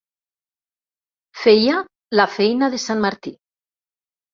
Feia la feina de sant Martí.